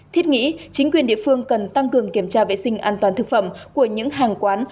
thiết nghĩ chính quyền địa phương cần tăng cường kiểm tra vệ sinh an toàn thực phẩm của những hàng quán